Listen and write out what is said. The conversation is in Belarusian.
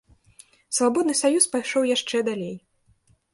Свабодны саюз пайшоў яшчэ далей.